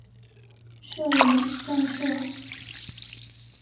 设有站舍。